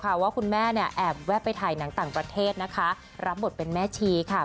เพราะว่าคุณแม่เนี่ยแอบแวะไปถ่ายหนังต่างประเทศนะคะรับบทเป็นแม่ชีค่ะ